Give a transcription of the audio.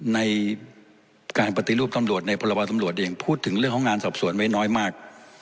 ในการปฏิรูปตำรวจในพรบตำรวจเองพูดถึงเรื่องของงานสอบสวนไว้น้อยมาก